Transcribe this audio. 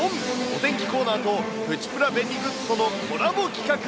お天気コーナーとプチプラ便利グッズとのコラボ企画。